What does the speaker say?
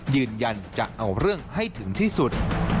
ยืนยันจะเอาเรื่องให้ถึงที่สุด